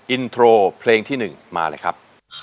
อินโทรเพลงที่๑มาเลยครับ